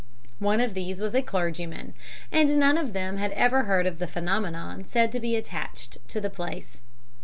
One of these was a clergyman, and none of them had ever heard of the phenomenon said to be attached to the place.